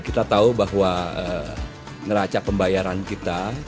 kita tahu bahwa neraca pembayaran kita